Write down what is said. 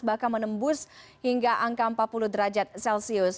bahkan menembus hingga angka empat puluh derajat celcius